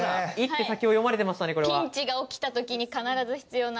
ピンチが起きたときに必ず必要な。